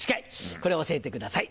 これを教えてください。